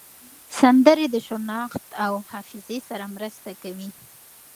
سندرې د شناخت او حافظې سره مرسته کوي.